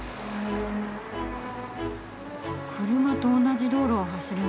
車と同じ道路を走るんだ。